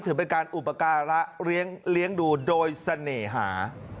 ถือเป็นการอุปการะเลี้ยงดูโดยเสน่หา